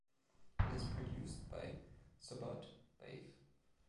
It is produced by Subodh Bhave.